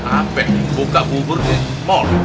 apa buka bubur di mall